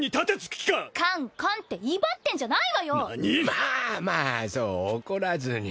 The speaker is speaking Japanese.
まあまあそう怒らずに。